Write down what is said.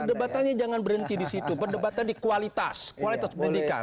perdebatannya jangan berhenti di situ perdebatan di kualitas kualitas pendidikan